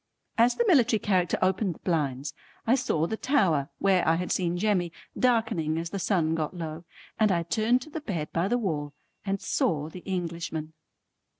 As the military character opened the blinds I saw the tower where I had seen Jemmy, darkening as the sun got low, and I turned to the bed by the wall and saw the Englishman.